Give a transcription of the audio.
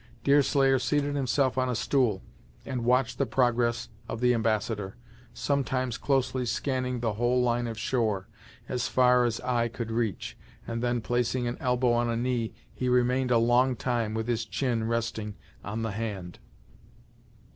Deerslayer seated himself on a stool and watched the progress of the ambassador, sometimes closely scanning the whole line of shore, as far as eye could reach, and then placing an elbow on a knee, he remained a long time with his chin resting on the hand.